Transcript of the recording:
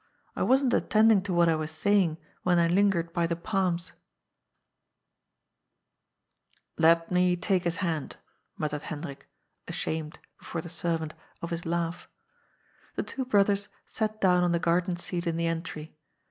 I wasn't attending to what I was saying when I lingered by the palms." 228 GOD'S POOL. ^^ Let me take his hand," muttered Hendrik, ashamed — before the servant — of his langh. The two brothers sat down on the garden seat in the entry.